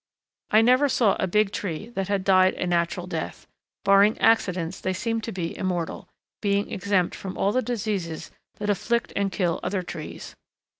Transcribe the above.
I never saw a Big Tree that had died a natural death; barring accidents they seem to be immortal, being exempt from all the diseases that afflict and kill other trees.